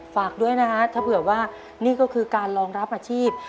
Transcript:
ฝากด้วยนะฮะถ้าเผื่อว่านี่ก็คือการรองรับอาชีพ